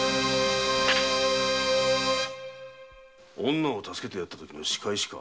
女を助けてやったときの仕返しか。